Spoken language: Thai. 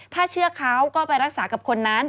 ถ้าเชื่อเขาก็ไปรักษากับคนนั้น